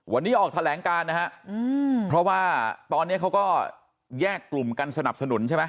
วันนี้ออกแถลงการนะฮะเพราะว่าตอนนี้เขาก็แยกกลุ่มกันสนับสนุนใช่ไหม